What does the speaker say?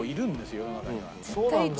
世の中には。